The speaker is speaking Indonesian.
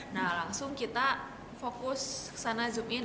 nah langsung kita fokus ke sana zoom in